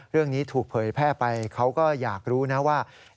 เรื่องนี้ถูกเผยแพร่ไปเขาก็อยากรู้นะว่า